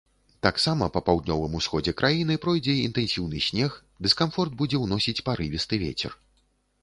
Таксама па паўднёвым усходзе краіны пройдзе інтэнсіўны снег, дыскамфорт будзе ўносіць парывісты вецер.